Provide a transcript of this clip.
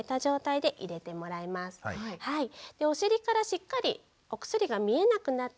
でお尻からしっかりお薬が見えなくなって。